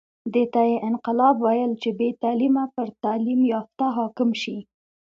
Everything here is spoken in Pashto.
دې ته یې انقلاب ویل چې بې تعلیمه پر تعلیم یافته حاکم شي.